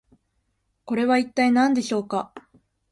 これは一体何でしょうか？